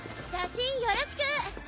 写真よろしく！